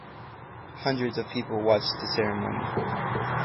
Hundreds of people watched the ceremony.